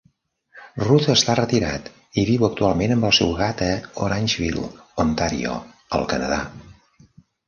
Roth està retirat i viu actualment amb el seu gat a Orangeville (Ontario), al Canadà.